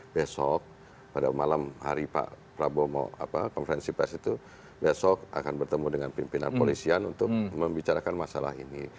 besok pada malam hari pak prabowo mau konferensi pers itu besok akan bertemu dengan pimpinan polisian untuk membicarakan masalah ini